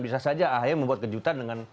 bisa saja ahy membuat kejutan dengan